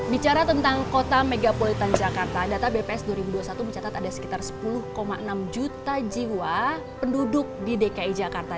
bicara tentang kota megapolitan jakarta data bps dua ribu dua puluh satu mencatat ada sekitar sepuluh enam juta jiwa penduduk di dki jakarta